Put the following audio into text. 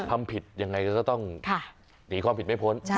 ทำผิดยังไงก็ต้องหนีความผิดไม่พ้น